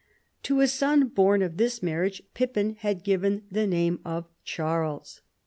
To a son born of this mar riage Pippin had given the name of Charles.